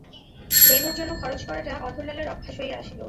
বেণুর জন্য খরচ করাটা অধরলালের অভ্যাস হইয়া আসিল ।